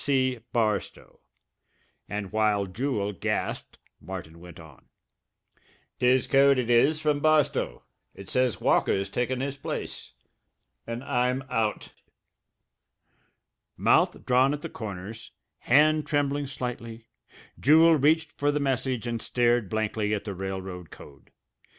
BARSTOW." And while Jewel gasped Martin went on: "'Tis code it is, from Barstow. It says Walker's taken his place and I'm out." Mouth drawn at the corners, hand trembling slightly, Jewel reached for the message and stared blankly at the railroad code.